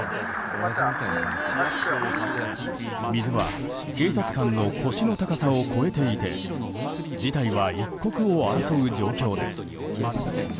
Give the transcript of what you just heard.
水は警察官の腰の高さを超えていて事態は一刻を争う状況です。